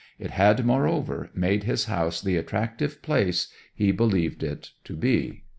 It had, moreover, made his house the attractive place he believed it to be.